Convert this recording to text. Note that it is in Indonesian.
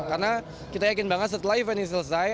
karena kita yakin banget setelah event ini selesai